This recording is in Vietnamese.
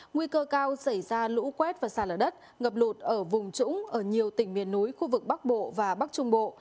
nguy cơ cao xảy ra lũ quét và xa lở đất ngập lụt ở vùng trũng ở nhiều tỉnh miền núi khu vực bắc bộ và bắc trung bộ